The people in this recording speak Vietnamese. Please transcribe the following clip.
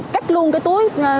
cách luôn cái túi